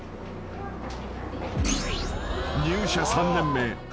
［入社３年目］